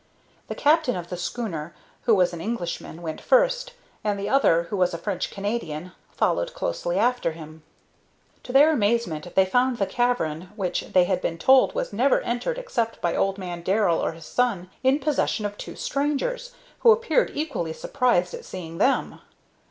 The captain of the schooner, who was an Englishman, went first, and the other, who was a French Canadian, followed closely after him. [Illustration: A WILD LOOKING MAN LEVELLED A PISTOL AT PEVERIL] To their amazement they found the cavern, which they had been told was never entered except by old man Darrell or his son, in possession of two strangers, who appeared equally surprised at seeing them.